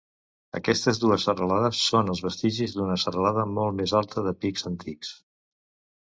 Aquestes dues serralades són els vestigis d'una serralada molt més alta de pics antics.